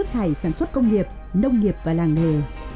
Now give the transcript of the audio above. thải sản xuất công nghiệp nông nghiệp và làng nghề